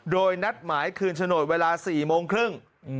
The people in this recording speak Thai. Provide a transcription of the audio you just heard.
โดยนัดหมายคืนโฉนดเวลา๔โมงครึ่ง